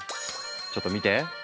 ちょっと見て！